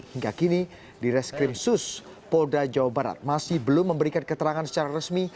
hingga kini di reskrim sus polda jawa barat masih belum memberikan keterangan secara resmi